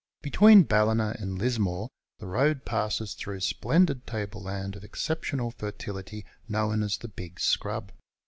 Between Ballina and Lismore the road passes through splendid table land of exceptional fertility known as the Big Scrub.